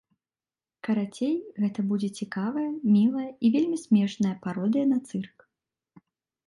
Карацей, гэта будзе цікавая, мілая і вельмі смешная пародыя на цырк.